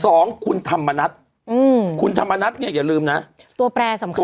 สองคุณธรรมนัฐอืมคุณธรรมนัฐเนี่ยอย่าลืมนะตัวแปรสำคัญ